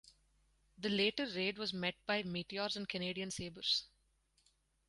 The later raid was met by Meteors and Canadian Sabres.